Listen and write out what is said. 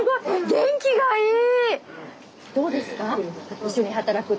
元気がいい！